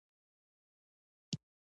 ويښته پر تندي وه.